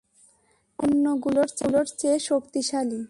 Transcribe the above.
এটা অন্যগুলার চেয়ে শক্তিশালী।